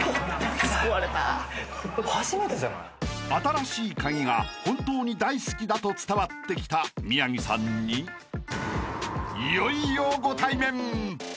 ［『新しいカギ』が本当に大好きだと伝わってきた宮城さんにいよいよ］